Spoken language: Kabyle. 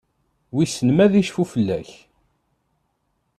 Wissen ma ad icfu fell-ak?